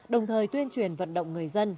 đồng thời tuyên truyền vận động người dân